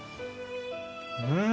うん。